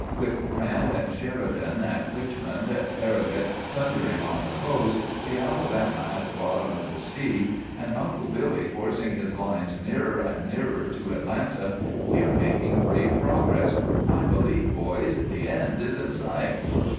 With Grant and Sheridan at Richmond, Farragut thundering on the coast, the 'Alabama' at the bottom of the sea, and Uncle Billy forcing his lines nearer and nearer to Atlanta, we are making brave progress. I believe, boys, the end is in sight."